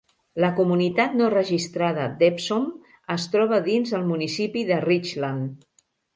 La comunitat no registrada d'Epsom es troba dins el municipi de Richland.